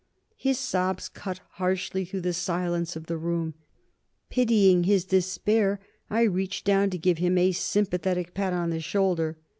His sobs cut harshly through the silence of the room. Pitying his despair, I reached down to give him a sympathetic pat on the shoulder.